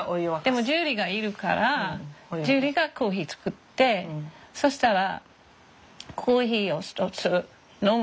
でもジュリがいるからジュリがコーヒー作ってそしたらコーヒーを１つ飲むじゃない。